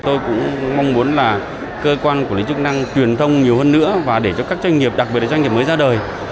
tôi cũng mong muốn là cơ quan quản lý chức năng truyền thông nhiều hơn nữa và để cho các doanh nghiệp đặc biệt là doanh nghiệp mới ra đời